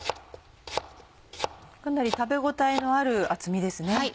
かなり食べ応えのある厚みですね。